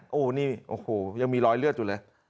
โอ้โหนี่โอ้โหยังมีรอยเลือดอยู่เลย